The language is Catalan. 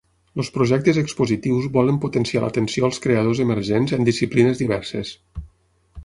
Els projectes expositius volen potenciar l’atenció als creadors emergents en disciplines diverses.